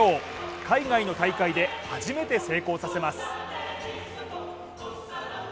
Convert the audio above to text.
海外の大会で初めて成功させます。